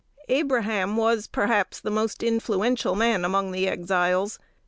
Abraham was, perhaps, the most influential man among the Exiles.